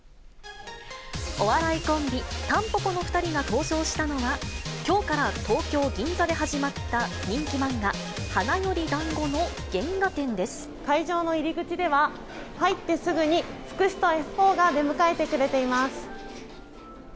お笑いコンビ、たんぽぽの２人が登場したのは、きょうから東京・銀座で始まった人気漫画、会場の入り口では、入ってすぐにつくしとＦ４が出迎えてくれています。